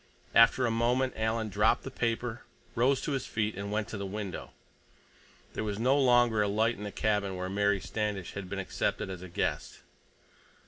After a moment Alan dropped the paper, rose to his feet, and went to the window. There was no longer a light in the cabin where Mary Standish had been accepted as a guest.